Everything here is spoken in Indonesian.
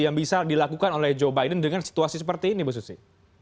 yang bisa dilakukan oleh joe biden dengan situasi seperti ini bu susi